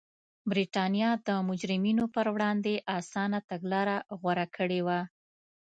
برېټانیا د مجرمینو پر وړاندې اسانه تګلاره غوره کړې وه.